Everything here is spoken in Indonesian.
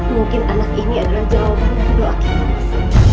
mungkin anak ini adalah jawaban untuk doa kita mas